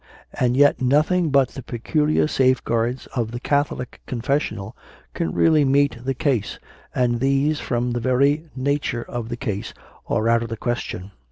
And yet nothing but the peculiar CONFESSIONS OF A CONVERT 23 safeguards of the Catholic Confessional can really meet the case, and these, from the very nature of the case, are out of the question.